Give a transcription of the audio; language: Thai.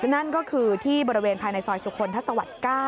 นั่นก็คือที่บริเวณภายในซอยสุคลทัศวรรค์๙